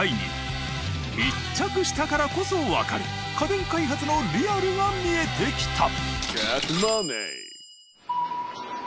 密着したからこそわかる家電開発のリアルが見えてきた。